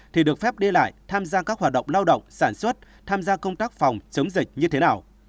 thì được phép đi lại tham gia các hoạt động lao động sản xuất tham gia công tác phòng chống dịch như thế nào